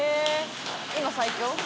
今最強？